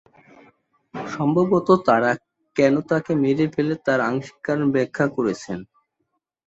সম্ভবত তারা কেন তাকে মেরে ফেলে তার আংশিক কারণ ব্যাখ্যা করেছে।